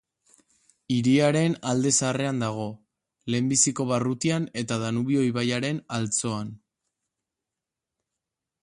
Hiriaren Alde Zaharrean dago, lehenbiziko barrutian eta Danubio ibaiaren altzoan.